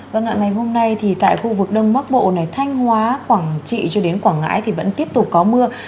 vâng ạ ngày hôm nay thì tại khu vực đông bắc bộ này thanh hóa quảng trị cho đến quảng ngãi thì vẫn tiếp tục có mưa